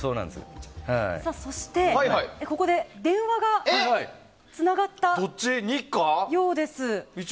そして、ここで電話がつながったようです。